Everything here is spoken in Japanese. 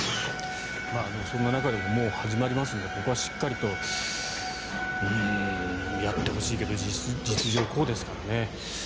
でも、そんな中でももう始まりますのでここはしっかりとやってほしいけど実情はこうですからね。